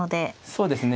そうですね。